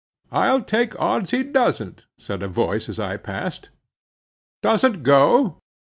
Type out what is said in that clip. "I'll take odds he doesn't," said a voice as I passed. "Doesn't go?